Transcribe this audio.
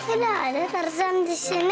enak ada tarzan disini